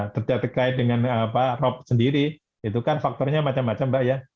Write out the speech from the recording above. terkait dengan rob sendiri itu kan faktornya macam macam mbak ya